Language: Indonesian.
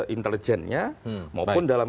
intelijennya maupun dalam